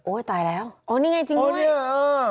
โอ้ยตายแล้วโอ้ยนี่ไงจริงด้วย